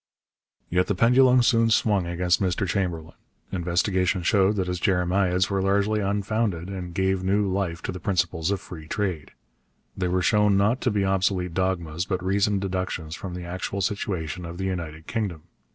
Yet the pendulum soon swung against Mr Chamberlain. Investigation showed that his jeremiads were largely unfounded, and gave new life to the principles of free trade. They were shown not to be obsolete dogmas, but reasoned deductions from the actual situation of the United Kingdom.